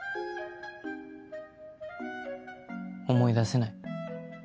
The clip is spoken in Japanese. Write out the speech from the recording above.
思い出せない？